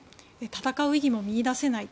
戦う意義も見いだせない。